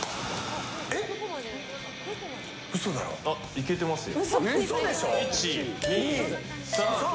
いけてますよ。